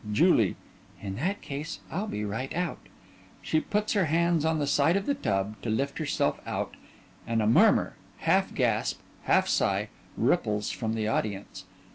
_) JULIE: In that case I'll be right out. (_She puts her hands on the side of the tub to lift herself out and a murmur, half gasp, half sigh, ripples from the audience.